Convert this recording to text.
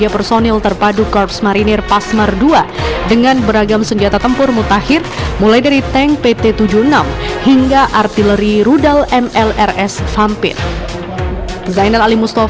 tiga personil terpadu korps marinir pasmar ii dengan beragam senjata tempur mutakhir mulai dari tank pt tujuh puluh enam hingga artileri rudal mlrs vampit